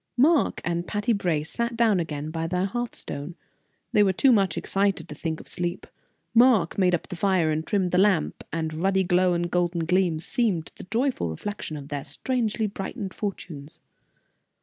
Mark and Patty Brace sat down again by their hearth stone. They were too much excited to think of sleep. Mark made up the fire and trimmed the lamp, and ruddy glow and golden gleam seemed the joyful reflection of their strangely brightened fortunes.